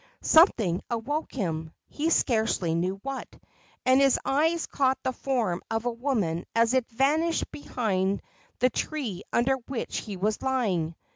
Something awoke him he scarcely knew what and his eyes caught the form of a woman as it vanished behind the tree under which he was lying.